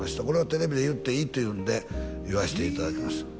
これはテレビで言っていいというんで言わしていただきます